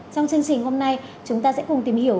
trong chương trình hôm nay chúng ta sẽ cùng tìm hiểu